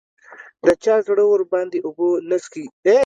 د چا زړه ورباندې اوبه نه څښي